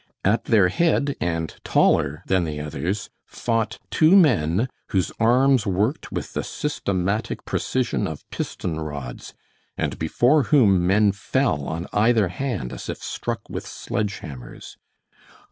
At their head, and taller than the others, fought two men, whose arms worked with the systematic precision of piston rods, and before whom men fell on either hand as if struck with sledge hammers.